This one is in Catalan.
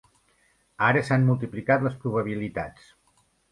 Ara s'han multiplicat les probabilitats.